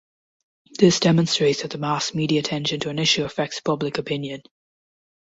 This demonstrates that the mass media attention to an issue affects public opinion.